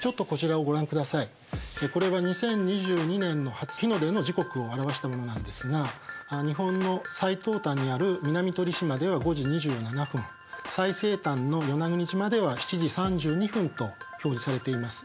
これは２０２２年の初日の出の時刻を表したものなんですが日本の最東端にある南鳥島では５時２７分最西端の与那国島では７時３２分と表示されています。